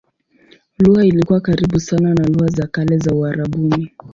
Lugha ilikuwa karibu sana na lugha za kale za Uarabuni.